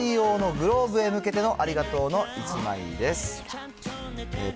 鳥谷敬さんから、愛用のグローブへ向けてのありがとうの１枚です。